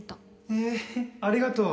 ええありがとう